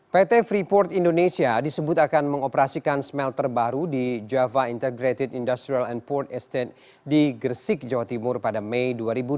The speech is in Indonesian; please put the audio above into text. pt freeport indonesia disebut akan mengoperasikan smelter baru di java integrated industrial and port estate di gresik jawa timur pada mei dua ribu dua puluh